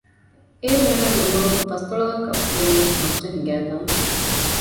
އޭރު އޭނާގެ ޢުމުރުން ފަސްދޮޅަހަށް ވުރެން މައްޗަށް ހިނގައި ދާނެ